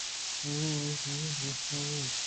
آوان ءَ اے حبر وش نہ بوت